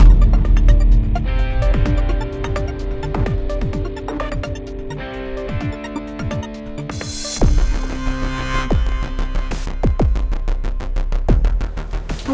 pangeran di vila papaku